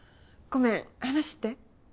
ごめん話って？